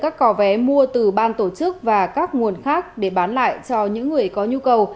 các cò vé mua từ ban tổ chức và các nguồn khác để bán lại cho những người có nhu cầu